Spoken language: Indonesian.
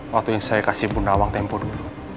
waktu yang saya kasih bunawang tempur dulu